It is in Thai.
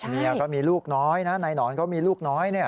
เมียก็มีลูกน้อยนะในหนอนก็มีลูกน้อยเนี่ย